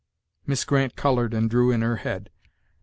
Miss Grant colored and drew in her head.